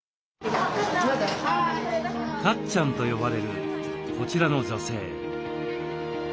「かっちゃん」と呼ばれるこちらの女性。